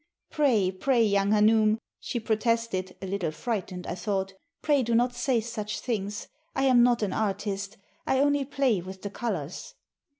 *'Pray! pray! young hanoum," she protested, a little frightened, I thought, "pray do not say such things. I am not an artist. I only play with the colors."